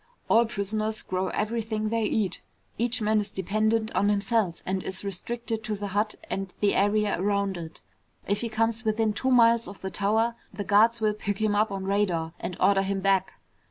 All prisoners grow everything they eat. Each man is dependent on himself and is restricted to the hut and the area around it. If he comes within two miles of the tower, the guards will pick him up on radar and order him back.